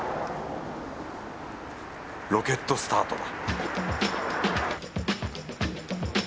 ロケットスタートだ